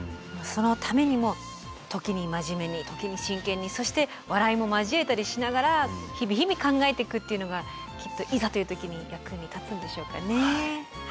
そのためにも時に真面目に時に真剣にそして笑いも交えたりしながら日々日々考えていくっていうのがきっといざという時に役に立つんでしょうかね。